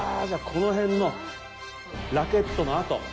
じゃあ、この辺のラケットの痕。